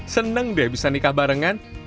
seneng deh bisa nikah barengan